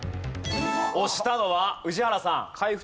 押したのは宇治原さん。